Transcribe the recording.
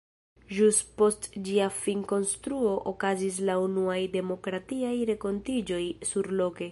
Ĵus post ĝia finkonstruo okazis la unuaj demokratiaj renkontiĝoj surloke!